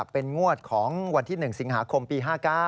เป็นงวดของวันที่๑สิงหาคมปี๕๙